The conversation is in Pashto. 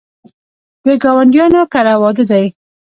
د ګاونډیانو کره واده دی